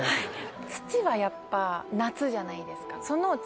土はやっぱ夏じゃないですか。